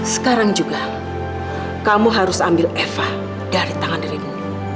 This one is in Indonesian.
sekarang juga kamu harus ambil eva dari tangan darimu